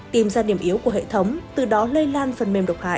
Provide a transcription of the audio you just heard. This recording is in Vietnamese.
tìm ra điểm yếu của hệ thống từ đó lây lan phần mềm độc hại